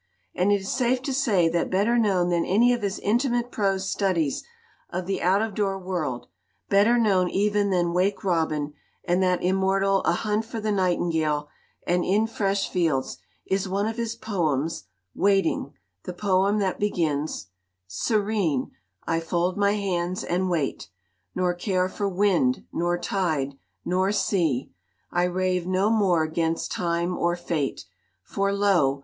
And it is safe to say that better known than any of his intimate prose studies of the out of door world better known even than Wake Robin and that immortal A Hunt for the Nightingale and In Fresh Fields is one of his poems, Waiting, the poem that begins : Serene, I fold my hands and wait, Nor care for wind, nor tide, nor sea; I rave no more 'gainst time or fate, For lo!